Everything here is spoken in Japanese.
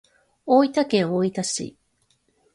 大分県大分市